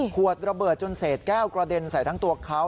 ขวดระเบิดจนเศษแก้วกระเด็นใส่ทั้งตัวเขา